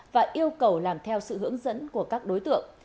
và yêu cầu làm theo sự hướng dẫn của các đối tượng